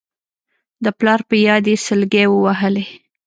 د پلار په ياد يې سلګۍ ووهلې.